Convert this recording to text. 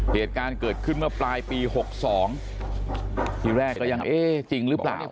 เหตุการณ์เกิดขึ้นเมื่อปลายปี๖๒ทีแรกก็ยังเอ๊ะจริงหรือเปล่า